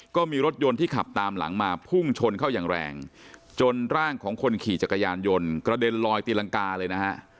ก็มีรถยนต์ที่ขับตามหลังมาพุ่งชนเข้าอย่างแรงจนร่างของคนขี่จักรยานยนต์กระเด็นลอยตีรังกาเลยนะฮะ